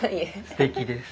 すてきです。